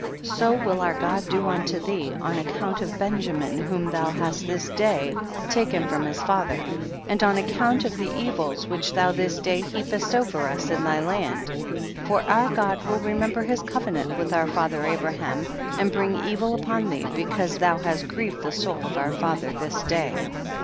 so will our God do unto thee on account of Benjamin whom thou hast this day taken from his father, and on account of the evils which thou this day heapest over us in thy land ; for our God will remember his covenant with our father Abraham and bring evil upon thee, because thou hast grieved the soul of our fa ther this day.